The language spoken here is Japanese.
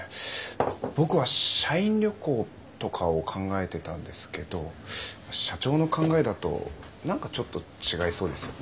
僕は社員旅行とかを考えてたんですけど社長の考えだと何かちょっと違いそうですよね。